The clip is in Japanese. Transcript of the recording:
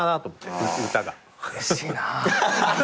うれしいなぁ。